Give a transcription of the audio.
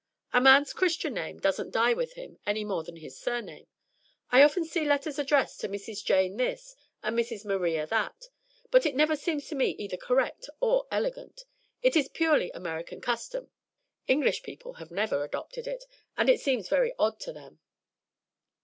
"A man's Christian name doesn't die with him any more than his surname. I often see letters addressed to Mrs. Jane this and Mrs. Maria that, but it never seems to me either correct or elegant. It is a purely American custom. English people have never adopted it, and it seems very odd to them."